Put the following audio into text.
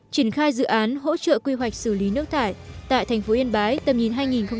triển khai dự án hỗ trợ quy hoạch xử lý nước thải tại thành phố yên bái tầm nhìn hai nghìn ba mươi